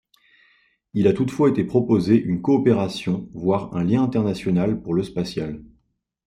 Il a toutefois été proposé une coopération, voire un lien international pour le spatial.